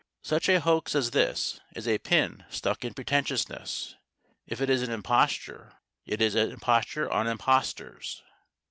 Such a hoax as this is a pin stuck in pretentiousness. If it is an imposture, it is an imposture on impostors.